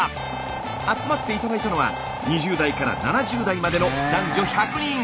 集まって頂いたのは２０代から７０代までの男女１００人！